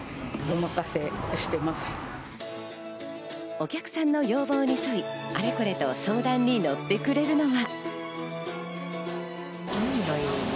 お客さんの要望にそい、あれこれと相談にのってくれるのは。